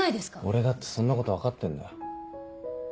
俺だってそんなこと分かってんだよ。